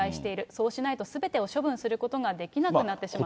そうしないとすべてを処分することができなくなってしまうと。